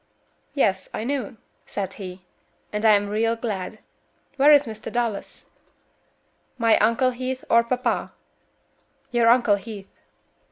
"Yes, I knew," said he, "and I'm real glad. Where is Mr. Dallas?" "My Uncle Heath, or papa?" "Your Uncle Heath."